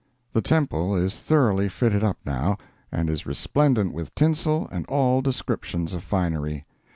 The temple is thoroughly fitted up now, and is resplendent with tinsel and all descriptions of finery.